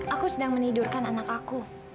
aku sedang menidurkan anak aku